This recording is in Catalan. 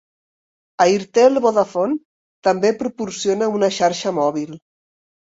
Airtel-Vodafone també proporciona una xarxa mòbil.